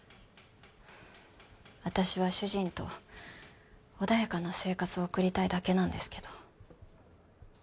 私は主人と穏やかな生活を送りたいだけなんですけど。